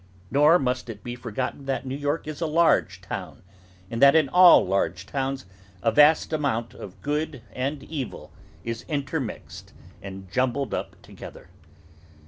Nor must it be forgotten that New York is a large town, and that in all large towns a vast amount of good and evil is intermixed and jumbled up together.